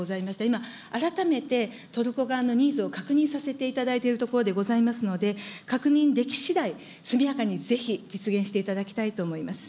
今、改めてトルコ側のニーズを確認させていただいているところでございますので、確認できしだい、速やかにぜひ、実現していただきたいと思います。